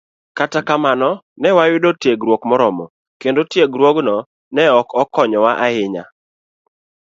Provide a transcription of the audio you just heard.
Kata kamano, ne wayudo tiegruok moromo, kendo tiegruokno ne ok konywa ahinya